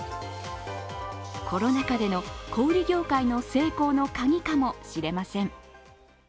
コロナ禍での小売業界の成功のカギかもしれません。